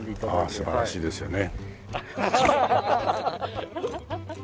ああ素晴らしいですよね。